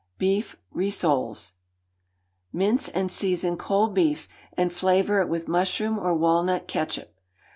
Beef Rissoles. Mince and season cold beef, and flavour it with mushroom or walnut ketchup.